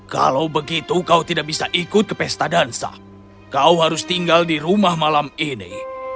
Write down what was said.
kalau begitu kau tidak bisa ikut ke pesta dansa kau harus tinggal di rumah malam ini